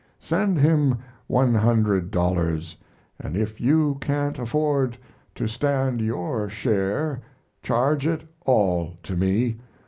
Send him one hundred dollars, and if you can't afford to stand your share charge it all to me.